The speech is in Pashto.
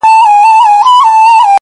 o زموږ د كلي څخه ربه ښكلا كډه كړې.